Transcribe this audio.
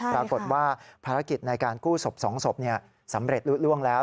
ปรากฏว่าภารกิจในการกู้ศพ๒ศพสำเร็จลุดล่วงแล้ว